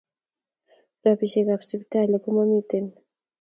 Rapishek ab sipitali ko mamiten